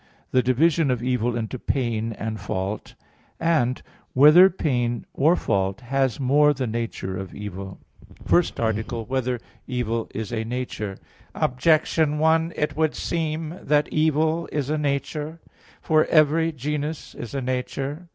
(5) The division of evil into pain and fault. (6) Whether pain, or fault, has more the nature of evil? _______________________ FIRST ARTICLE [I, Q. 48, Art. 1] Whether Evil Is a Nature? Objection 1: It would seem that evil is a nature. For every genus is a nature.